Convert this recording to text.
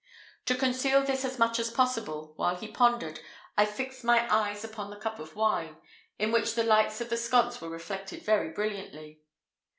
To conceal this as much as possible, while he pondered, I fixed my eyes upon the cup of wine, in which the lights of the sconce were reflected very brilliantly.